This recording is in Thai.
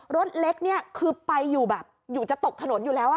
รถเล็กนี่คือไปอยู่แบบอยู่จะตกถนนอยู่แล้ว